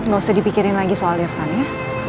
nggak usah dipikirin lagi soal irfan ya